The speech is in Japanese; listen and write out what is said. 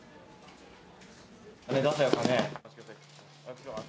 金出せよ、金。